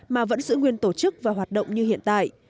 mà vẫn giữ nguyên tổ chức và hoạt động như hiện tại